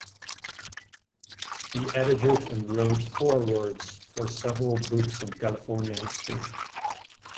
He edited and wrote forewords for several books on California history.